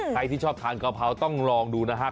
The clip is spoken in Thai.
ใครที่ชอบทานกะเพราต้องลองดูนะครับ